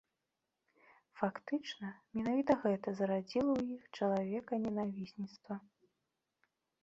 Фактычна, менавіта гэта зарадзіла ў іх чалавеканенавісніцтва.